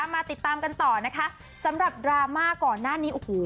มาติดตามกันต่อนะคะสำหรับดราม่าก่อนหน้านี้โอ้โห